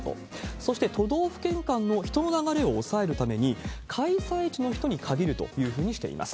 そして都道府県間の人の流れを抑えるために、開催地の人に限るというふうにしています。